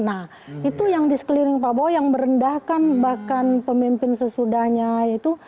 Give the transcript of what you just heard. nah itu yang di sekeliling prabowo yang merendahkan bahkan pemimpin sesudahnya itu